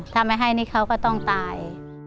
ถ้าไม่ให้นี่เขาก็ต้องตาย